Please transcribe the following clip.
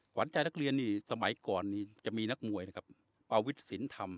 หวานใจนักเรียนนี่สมัยก่อนนี้จะมีนักมวยนะครับปาวิทย์สินธรรม